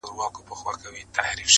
يار ليدلي بيګا خوب کي پيمانې دي،